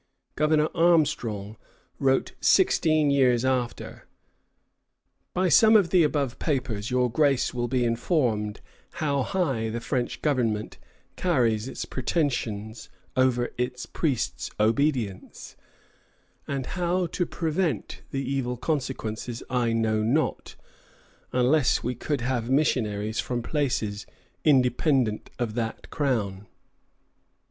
Governor Armstrong wrote sixteen years after: "By some of the above papers your Grace will be informed how high the French government carries its pretensions over its priests' obedience; and how to prevent the evil consequences I know not, unless we could have missionaries from places independent of that Crown."